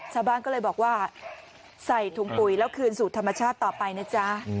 ชาวบ้านก็เลยบอกว่าใส่ถุงปุ๋ยแล้วคืนสู่ธรรมชาติต่อไปนะจ๊ะ